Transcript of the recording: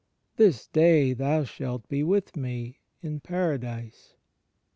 ... "This day thou shalt be with Me in Paradise."